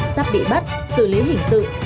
sắp bị bắt xử lý hình sự